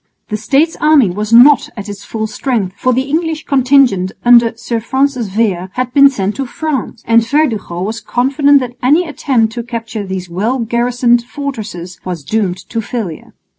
The States army was not at its full strength, for the English contingent under Sir Francis Vere had been sent to France; and Verdugo was confident that any attempt to capture these well garrisoned fortresses was doomed to failure.